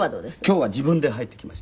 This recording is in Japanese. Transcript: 今日は自分で履いてきました。